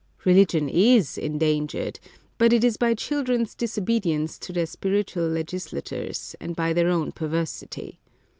Religion is endangered ; but it is by children's disobedience to their spiritual legislators, and by their own perversity.